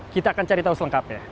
kita akan cari tahu selengkapnya